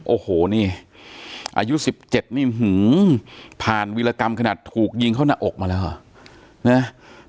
โอ้โหนี่อายุ๑๗นี่ผ่านวิรากรรมขนาดถูกยิงเข้าหน้าอกมาแล้วเหรอนะ